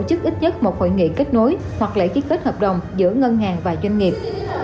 chức ít nhất một hội nghị kết nối hoặc lãi kết hợp đồng giữa ngân hàng và doanh nghiệp